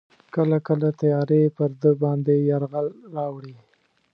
کله کله تیارې پر ده باندې یرغل راوړي.